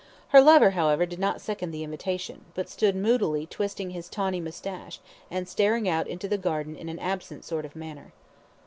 Her lover, however, did not second the invitation, but stood moodily twisting his tawny moustache, and staring out into the garden in an absent sort of manner.